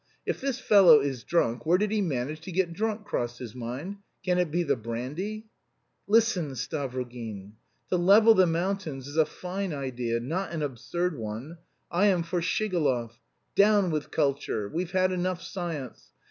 "If this fellow is drunk, where did he manage to get drunk?" crossed his mind. "Can it be the brandy?" "Listen, Stavrogin. To level the mountains is a fine idea, not an absurd one. I am for Shigalov. Down with culture. We've had enough science!